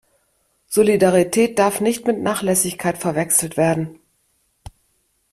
Solidarität darf nicht mit Nachlässigkeit verwechselt werden!